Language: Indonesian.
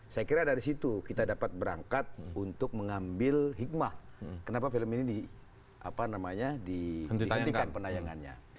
saya kira dari situ kita dapat berangkat untuk mengambil hikmah kenapa film ini dihentikan penayangannya